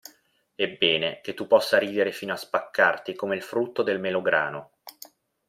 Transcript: Ebbene, che tu possa ridere fino a spaccarti come il frutto del melograno!